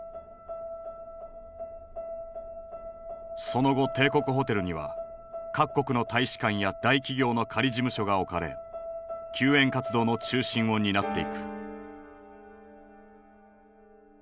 その後帝国ホテルには各国の大使館や大企業の仮事務所が置かれ救援活動の中心を担っていく。